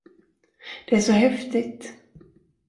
Det är så häftigt!